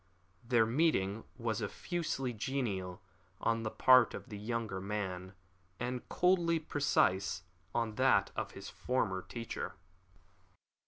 Their meeting was effusively genial on the part of the younger man, and coldly precise on that of his former teacher.